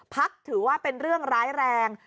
พักถือว่าเป็นเรื่องร้ายแรง